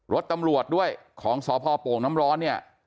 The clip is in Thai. รถตำรวจด้วยของสพโป่งน้ำร้อนเนี่ย